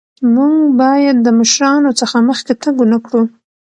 مونږ باید د مشرانو څخه مخکې تګ ونکړو.